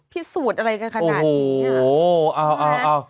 พิสูจน์อะไรกันขนาดนี้โอ้โหอ้าว